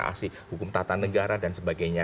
saksi ahli hukum tata negara dan sebagainya